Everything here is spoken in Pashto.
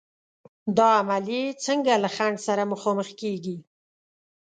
دا عملیې څنګه له خنډ سره مخامخ کېږي؟